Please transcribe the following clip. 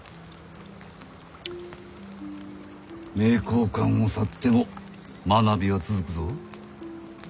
名教館を去っても学びは続くぞ。